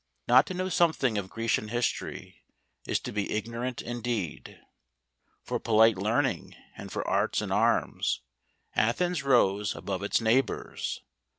Not to know something of Grecian history, is to be ig¬ norant indeed. For polite learning, and for arts and arms, Athens rose above its neighbours.